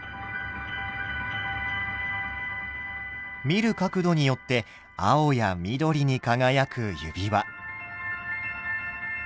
見る角度によって青や緑に輝く指輪。